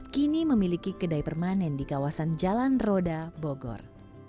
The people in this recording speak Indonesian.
kini memiliki kedai permanen di kawasan jalan roda bogor